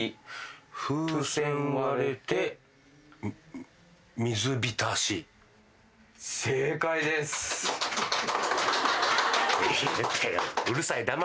うるさい。